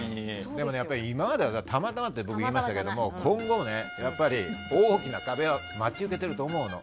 でもね、今まではたまたまって言いましたけど今後、やっぱり大きな壁が待ち受けていると思うの。